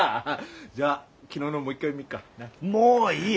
じゃあ昨日のもう一回見っか。もういい。